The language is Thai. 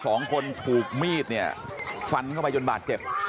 สองคนถูกมีดเนี่ยฟันเข้าไปจนบาดเจ็บ